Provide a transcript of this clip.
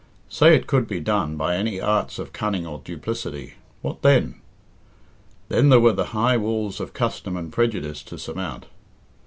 Say it could be done by any arts of cunning or duplicity, what then? Then there were the high walls of custom and prejudice to surmount.